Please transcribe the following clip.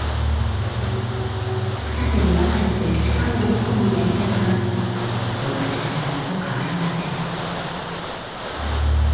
二手に分かれて鹿を追い込むやり方は昔からずっと変わりません。